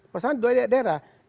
persoalnya ada di daerah